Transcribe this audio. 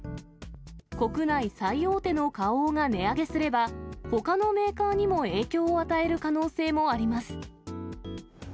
国内最大手の花王が値上げすれば、ほかのメーカーにも影響を与える可能性もあります。